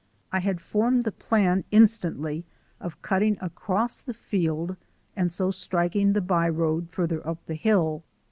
I had formed the plan instantly of cutting across the field and so striking the by road farther up the hill.